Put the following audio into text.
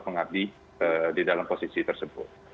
pengabdi di dalam posisi tersebut